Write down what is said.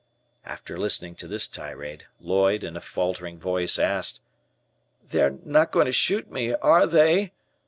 After listening to this tirade, Lloyd, in a faltering voice, asked: "They are not going to shoot me, are they?